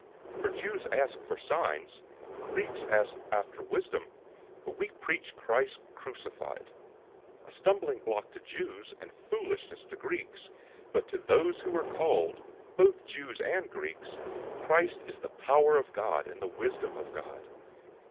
001:022 For Jews ask for signs, Greeks seek after wisdom, 001:023 but we preach Christ crucified; a stumbling block to Jews, and foolishness to Greeks, 001:024 but to those who are called, both Jews and Greeks, Christ is the power of God and the wisdom of God.